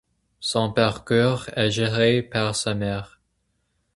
Son parcours est géré par sa mère.